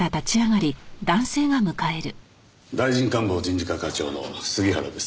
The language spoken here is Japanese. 大臣官房人事課課長の杉原です。